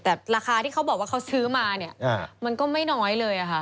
แต่ราคาที่เขาบอกว่าเขาซื้อมาเนี่ยมันก็ไม่น้อยเลยค่ะ